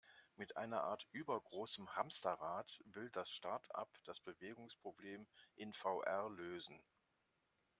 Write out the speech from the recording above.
Mit einer Art übergroßem Hamsterrad, will das Startup das Bewegungsproblem in VR lösen.